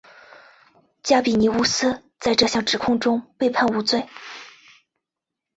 加比尼乌斯在这项指控中被判无罪。